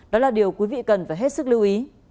đó là điều quý vị cần phải hết sức lưu ý